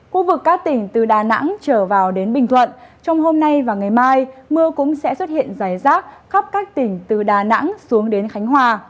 khu vực các tỉnh từ đà nẵng trở vào đến bình thuận trong hôm nay và ngày mai mưa cũng sẽ xuất hiện rải rác khắp các tỉnh từ đà nẵng xuống đến khánh hòa